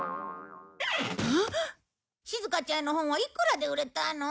しずかちゃんの本はいくらで売れたの？